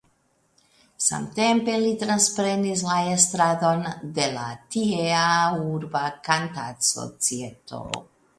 Samtempe li transprenis la estradon de la tiea urba Kantadsocieto.